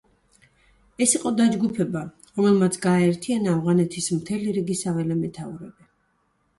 ეს იყო დაჯგუფება, რომელმაც გააერთიანა ავღანეთის მთელი რიგი საველე მეთაურები.